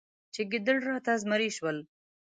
چې ګیدړ راته زمری شول.